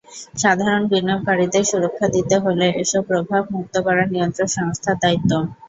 সাধারণ বিনিয়োগকারীদের সুরক্ষা দিতে হলে এসব প্রভাব মুক্ত করা নিয়ন্ত্রক সংস্থার দায়িত্ব।